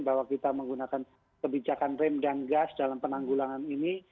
bahwa kita menggunakan kebijakan rem dan gas dalam penanggulangan ini